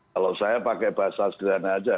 kalau saya pakai bahasa sederhana aja